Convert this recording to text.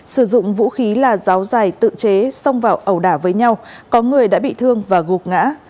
sử dụng vũ khí là gió dài tự chế xông vào ẩu đả với nhau có người đã bị thương và gục ngã